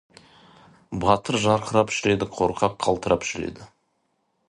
Батыр жарқырап жүреді, қорқақ қалтырап жүреді.